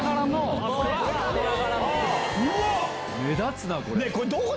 目立つな！